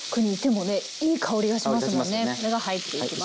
これが入っていきます。